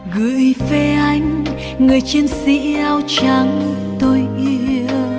gửi về anh người chiến sĩ eo trắng tôi yêu